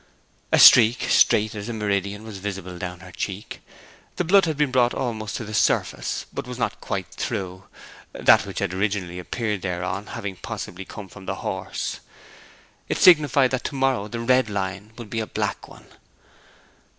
A streak, straight as a meridian, was visible down her cheek. The blood had been brought almost to the surface, but was not quite through, that which had originally appeared thereon having possibly come from the horse. It signified that to morrow the red line would be a black one.